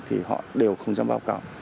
thì họ đều không dám báo cáo